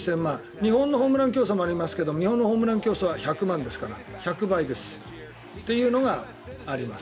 日本もホームラン競争ありますが日本は１００万円ですから１００倍ですというのがあります。